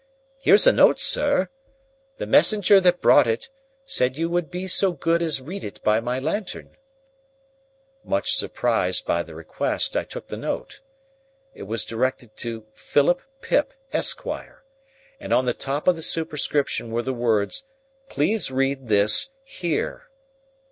Here's a note, sir. The messenger that brought it, said would you be so good as read it by my lantern?" Much surprised by the request, I took the note. It was directed to Philip Pip, Esquire, and on the top of the superscription were the words, "PLEASE READ THIS, HERE."